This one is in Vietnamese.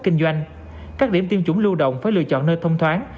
kinh doanh các điểm tiêm chủng lưu động phải lựa chọn nơi thông thoáng